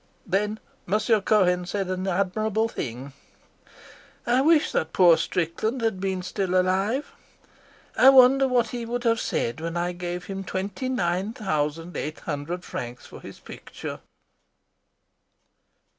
'" Then Monsieur Cohen said an admirable thing. "I wish that poor Strickland had been still alive. I wonder what he would have said when I gave him twenty nine thousand eight hundred francs for his picture."